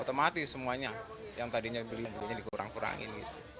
otomatis semuanya yang tadinya belinya dikurang kurangin